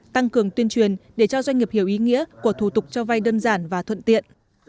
tăng cường tuyên truyền để cho doanh nghiệp hiểu ý nghĩa của thủ tục cho vay đơn giản và thuận tiện